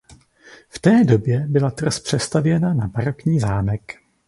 V té době byla tvrz přestavěna na barokní zámek.